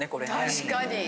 確かに。